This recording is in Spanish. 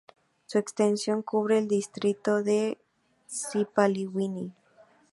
Su extensión cubre el distrito de Sipaliwini.